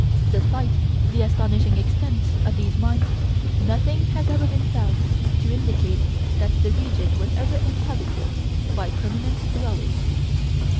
Despite the astonishing extent of these mines, nothing has ever been found to indicate that the region was ever inhabited by permanent dwellers